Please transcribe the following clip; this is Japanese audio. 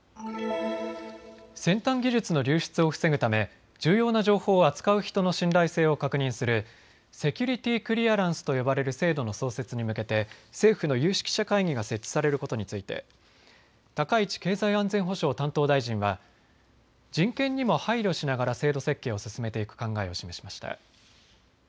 先端技術の流出を防ぐため重要な情報を扱う人の信頼性を確認するセキュリティークリアランスと呼ばれる制度の創設に向けて政府の有識者会議が設置されることについて高市経済安全保障担当大臣は人権にも配慮しながら制度設計を進めていく考えを示しました。